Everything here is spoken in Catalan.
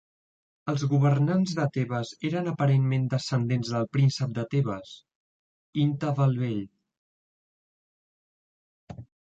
Els governants de Tebes eren aparentment descendents del príncep de Tebes, Intef el Vell.